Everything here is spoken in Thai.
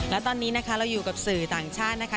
และตอนนี้นะคะเราอยู่กับสื่อต่างชาตินะคะ